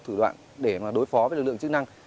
thủ đoạn để đối phó với lực lượng chức năng